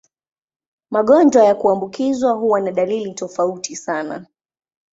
Magonjwa ya kuambukizwa huwa na dalili tofauti sana.